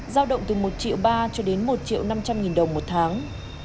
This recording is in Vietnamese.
giao động từ một triệu ba cho đến một triệu năm trăm linh nghìn đồng một tháng